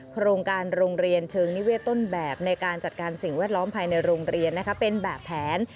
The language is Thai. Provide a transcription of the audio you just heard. โครงการโรงเรียนเชิงนิเวศต้นแบบในการจัดการสิ่งแวดล้อมภายในโรงเรียนเป็นแบบแผน